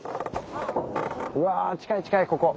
うわ近い近いここ。